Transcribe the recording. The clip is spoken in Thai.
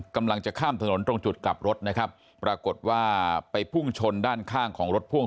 กำลังจะข้ามถนนตรงจุดกลับรถนะครับปรากฏว่าไปพุ่งชนด้านข้างของรถพ่วง